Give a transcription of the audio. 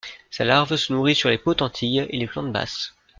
Sa larve se nourrit sur les potentilles et les plantes basses.